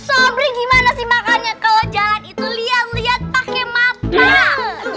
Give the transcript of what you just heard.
sobri gimana sih makannya kalau jalan itu liat liat pakai mata